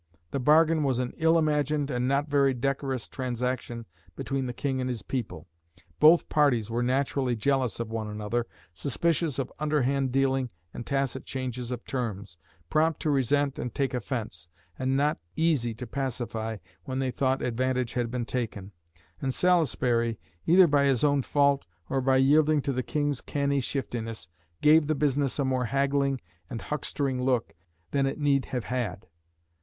The bargain was an ill imagined and not very decorous transaction between the King and his people. Both parties were naturally jealous of one another, suspicious of underhand dealing and tacit changes of terms, prompt to resent and take offence, and not easy to pacify when they thought advantage had been taken; and Salisbury, either by his own fault, or by yielding to the King's canny shiftiness, gave the business a more haggling and huckstering look than it need have had.